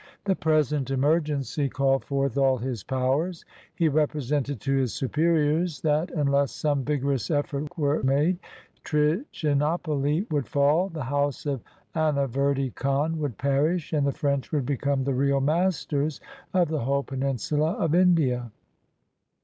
The present emer gency called forth all his powers. He represented to his superiors that, unless some vigorous effort were made, Trichinopoly would fall, the house of Anaverdy Khan would perish, and the French would become the real masters of the whole peninsula of India.